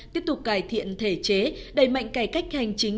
tiếp tục cải thiện thể chế đẩy mạnh cải cách hành chính